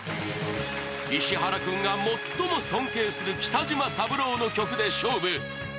石原くんが最も尊敬する北島三郎の曲で勝負。